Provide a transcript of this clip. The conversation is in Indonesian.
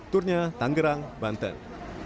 turnya tanggerang banten